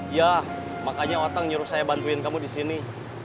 iya makanya otang nyuruh saya bantuin kamu disini